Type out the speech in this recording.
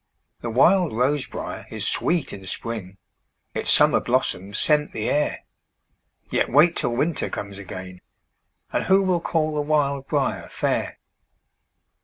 The wild rose briar is sweet in spring, Its summer blossoms scent the air; Yet wait till winter comes again, And who will call the wild briar fair?